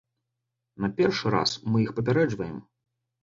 На першы раз мы іх папярэджваем.